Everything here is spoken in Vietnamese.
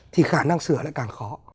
thì khả năng sửa lại càng khó